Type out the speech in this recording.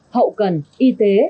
hậu cần y tế